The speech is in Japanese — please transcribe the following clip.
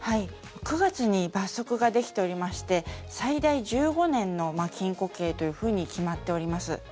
９月に罰則ができておりまして最大１５年の禁錮刑というふうに決まっております。